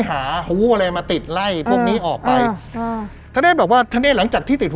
หูอะไรมาติดไล่พวกนี้ออกไปอ่าอ่าท่านเนสบอกว่าท่านเนสหลังจากที่ติด